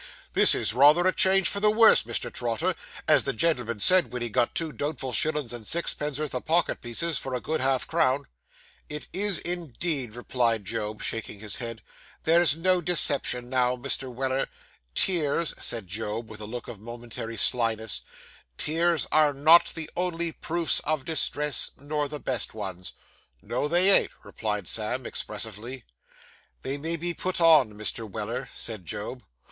'This is rayther a change for the worse, Mr. Trotter, as the gen'l'm'n said, wen he got two doubtful shillin's and sixpenn'orth o' pocket pieces for a good half crown.' 'It is indeed,' replied Job, shaking his head. 'There is no deception now, Mr. Weller. Tears,' said Job, with a look of momentary slyness 'tears are not the only proofs of distress, nor the best ones.' 'No, they ain't,' replied Sam expressively. 'They may be put on, Mr. Weller,' said Job.